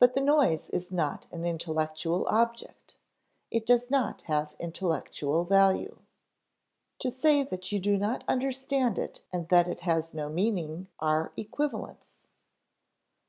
But the noise is not an intellectual object; it does not have intellectual value. (Compare above, p. 15.) To say that you do not understand it and that it has no meaning are equivalents.